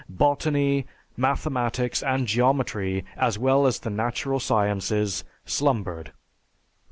Botany, mathematics, and geometry, as well as the natural sciences, slumbered.